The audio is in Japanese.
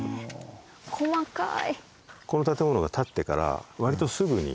細かい。